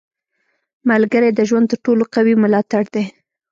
• ملګری د ژوند تر ټولو قوي ملاتړی دی.